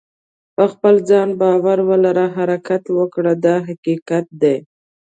په خپل ځان باور ولره حرکت وکړه دا حقیقت دی.